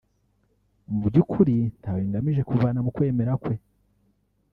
Mu by’ukuri ntawe ngamije kuvana mu kwemera kwe